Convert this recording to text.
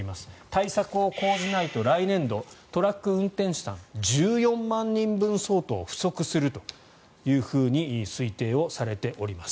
対策を講じないと来年度、トラック運転手さん１４万人分相当不足すると推定されております。